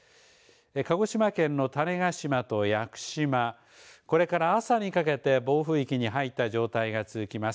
鹿児島県の種子島と屋久島、これから朝にかけて暴風域に入った状態が続きます。